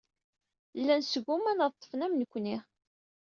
Llan sguman ad d-ṭṭfen amnekni.